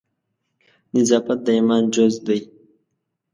نظافت د ایمان جزء دی.